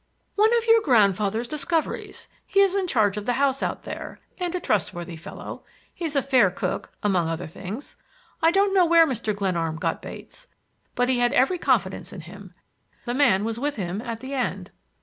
"One of your grandfather's discoveries. He's in charge of the house out there, and a trustworthy fellow. He's a fair cook, among other things. I don't know where Mr. Glenarm got Bates, but he had every confidence in him. The man was with him at the end."